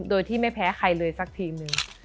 โดยที่ไม่แพ้ใครเลยสักทีมหนึ่ง